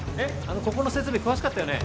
ここの設備詳しかったよね？